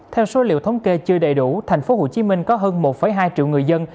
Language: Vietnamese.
theo số liệu thống kê chưa đầy đủ tp hcm có hơn một hai triệu người dân